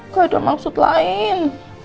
gak ada maksud lain